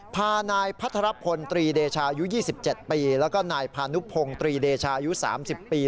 พานายพัทรพลตรีเดชายุ๒๗ปีแล้วก็นายพานุพงศ์ตรีเดชายุ๓๐ปี